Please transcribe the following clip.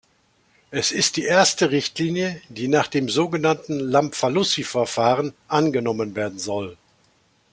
Es ist die erste Richtlinie, die nach dem so genannten Lamfalussy-Verfahren angenommen werden soll.